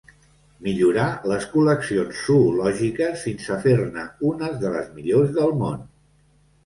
Millorà les col·leccions zoològiques fins a fer-ne unes de les millors del món.